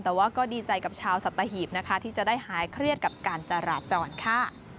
แต่ว่าก็ดีใจกับชาวสัตหีบนะคะที่จะได้หายเครียดกับการจราจรค่ะ